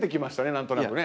何となくね。